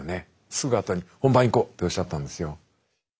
すぐ後に「本番いこう」っておっしゃったんですよ。